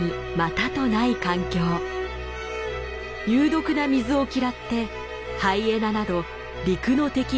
有毒な水を嫌ってハイエナなど陸の敵が近づかないからだ。